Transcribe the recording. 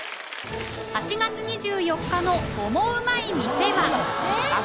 ８月２４日の「オモウマい店」はえっ？